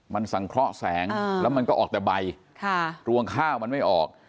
มันสังเคราะห์แสงแล้วมันก็ออกแต่ใบรวงข้าวมันไม่ออก